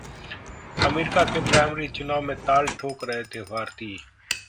America के primary चुनाव में ताल ठोंक रहे ये भारतीय